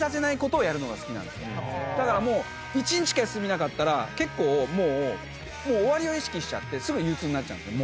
だから１日しか休みなかったらもう終わりを意識しちゃってすぐ憂鬱になっちゃうんです。